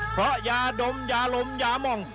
เพราะอย่าดมอย่าลมอย่ามอง